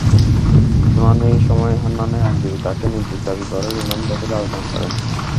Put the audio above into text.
শুনানির সময় হান্নানের আইনজীবী তাঁকে নির্দোষ দাবি করে রিমান্ড বাতিলের আবেদন করেন।